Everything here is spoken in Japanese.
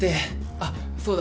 あっそうだ。